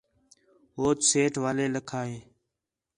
ہوچ سیٹھ والیں لَکھا ہِے